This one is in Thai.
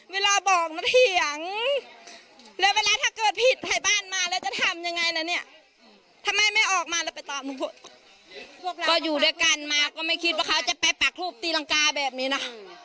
เวลาบอกมันเถียงแล้วเวลาถ้าเกิดผิดให้บ้านมาแล้วจะทำยังไงนะเนี่ยทำไมไม่ออกมาแล้วไปตอบพวกเราก็อยู่ด้วยกันมาก็ไม่คิดว่าเขาจะไปปากทูบตีรังกาแบบนี้นะ